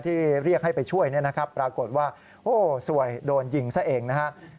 ที่เรียกให้ไปช่วยเนี่ยนะครับปรากฏว่าโอ้สวยโดนยิงซะเองนะครับ